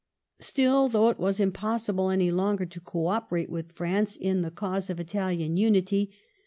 Still, though it waa imposaMe any longer %o oo operate with Franae, in the Maae of Italian nadty.